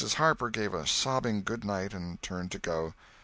Harper gave a sobbing goodnight and turned to go.